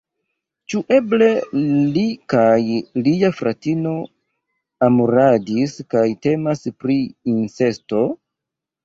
Ĉu eble li kaj lia fratino amoradis, kaj temas pri incesto?